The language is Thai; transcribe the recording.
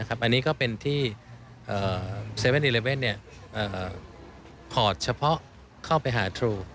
อันนี้ก็เป็นที่๗๑๑คอร์ดเฉพาะเข้าไปหาทรู